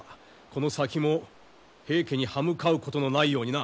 この先も平家に刃向かうことのないようにな。